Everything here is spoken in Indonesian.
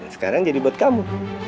sekarang jadi buat kamu